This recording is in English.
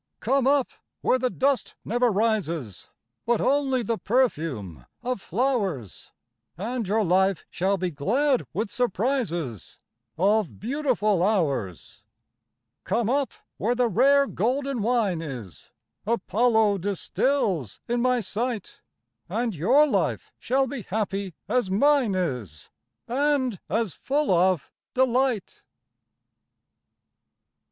Come up where the dust never rises— But only the perfume of flowers— And your life shall be glad with surprises Of beautiful hours. Come up where the rare golden wine is Apollo distills in my sight, And your life shall be happy as mine is, And as full of delight.